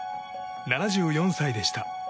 ７４歳でした。